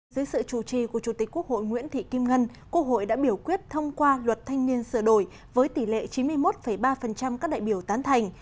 dưới sự chủ trì của chủ tịch quốc hội nguyễn thị kim ngân quốc hội đã biểu quyết thông qua luật thanh niên sửa đổi với tỷ lệ chín mươi một ba các đại biểu tán thành